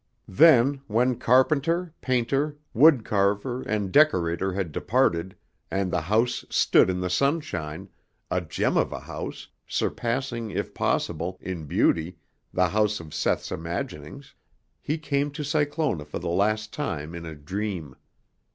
Then, when carpenter, painter, wood carver and decorator had departed, and the house stood in the sunshine, a gem of a house, surpassing, if possible, in beauty, the house of Seth's imaginings, he came to Cyclona for the last time in a dream.